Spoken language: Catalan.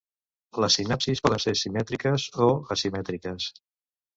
Les sinapsis poden ser simètriques o asimètriques.